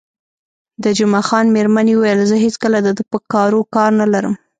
د جمعه خان میرمنې وویل: زه هېڅکله د ده په کارو کار نه لرم.